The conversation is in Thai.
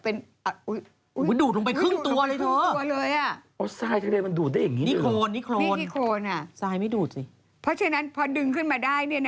โอเคดูดลงไปครึ่งตัวเลยเถอะเพื่อนกลับไปกันเลย